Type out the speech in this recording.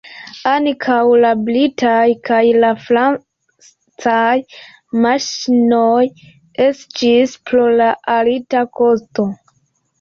Ankaŭ la britaj kaj la francaj maŝinoj eksiĝis pro la alta kosto.